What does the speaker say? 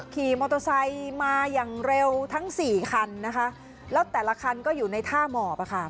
ขี่มอเตอร์ไซค์มาอย่างเร็วทั้งสี่คันนะคะแล้วแต่ละคันก็อยู่ในท่าหมอบอ่ะค่ะ